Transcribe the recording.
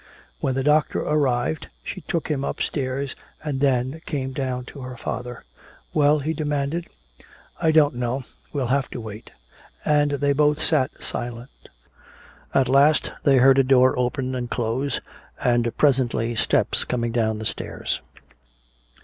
When the doctor arrived she took him upstairs and then came down to her father. "Well?" he demanded. "I don't know. We'll have to wait." And they both sat silent. At last they heard a door open and close, and presently steps coming down the stairs.